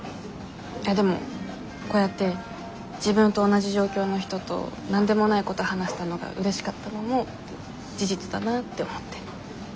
でもこうやって自分と同じ状況の人と何でもないこと話せたのがうれしかったのも事実だなぁって思って。